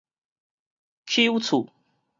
邱厝